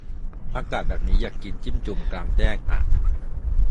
อากาศแบบนี้ อยากกินจิ้มจุ่มกลางแจ้งอ่ะ